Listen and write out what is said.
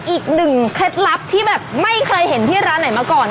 เคล็ดลับที่แบบไม่เคยเห็นที่ร้านไหนมาก่อน